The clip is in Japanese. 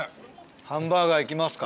ハンバーガーいきますか。